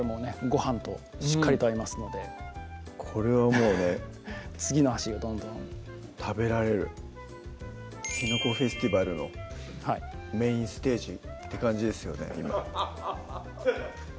ごはんとしっかりと合いますのでこれはもうね次の箸がどんどん食べられるきのこフェスティバルのメインステージって感じですよね